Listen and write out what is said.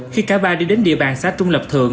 khi cả ba đi đến địa bàn xã trung lập thượng